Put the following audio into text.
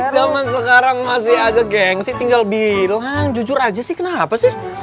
zaman sekarang masih aja geng sih tinggal bilang jujur aja sih kenapa sih